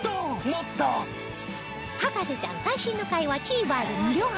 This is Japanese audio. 『博士ちゃん』最新の回は ＴＶｅｒ で無料配信